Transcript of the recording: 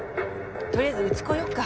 とりあえずうち来ようか。